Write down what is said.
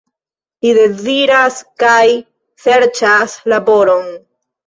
Li deziras kaj serĉas laboron.